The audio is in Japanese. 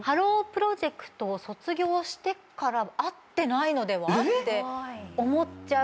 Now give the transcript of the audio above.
プロジェクトを卒業してから会ってないのでは？って思っちゃうぐらいなんですけど。